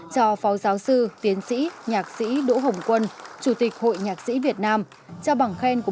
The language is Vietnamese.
cho phó giáo sư tiến sĩ nhạc sĩ đỗ hồng quân chủ tịch hội nhạc sĩ việt nam trao bằng khen của